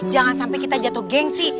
jangan sampai kita jatuh gengsi